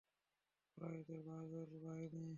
কুরাইশদের বাহাদুর বাহিনী!